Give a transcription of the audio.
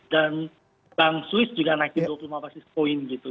dan bank swiss juga naikin dua puluh lima basis point gitu